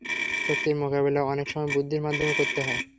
শক্তির মোকাবিলা অনেক সময় বুদ্ধির মাধ্যমে করতে হয়।